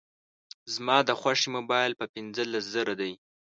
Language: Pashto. زما د خوښي موبایل په پینځلس زره دی